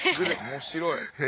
面白い！